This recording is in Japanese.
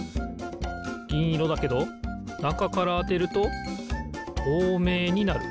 ぎんいろだけどなかからあてるととうめいになる。